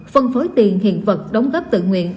phân phối tiền hiện vật đóng góp tự nguyện